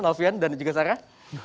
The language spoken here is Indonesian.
naufian dan juga sarah